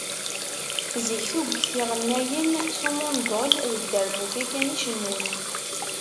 Zik tuget iɣennayen s umundol d dderbuka kan i cennun.